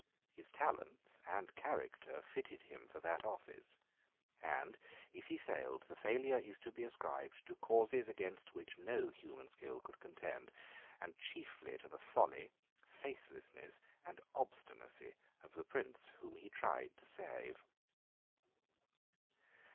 His talents and character fitted him for that office; and, if he failed, the failure is to be ascribed to causes against which no human skill could contend, and chiefly to the folly, faithlessness, and obstinacy of the Prince whom he tried to save.